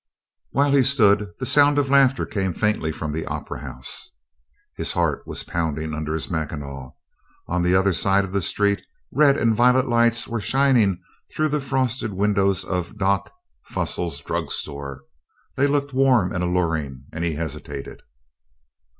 While he stood, the sound of laughter came faintly from the Opera House. His heart was pounding under his mackinaw. On the other side of the street red and violet lights were shining through the frosted windows of "Doc" Fussel's drug store. They looked warm and alluring, and he hesitated.